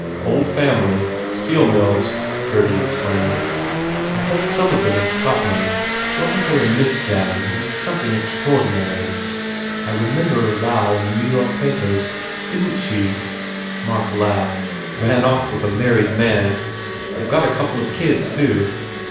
"Old family. Steel mills," Gurdy explained. "I ve met some of them in Scotland. Wasn t there a Miss Jannan who did something cxtra 239 THE FAIR REWARDS ordinary? I remember a row in the New York papers. Didn t she " Mark laughed, "Ran off with a married man. They ve got a couple of kids, too."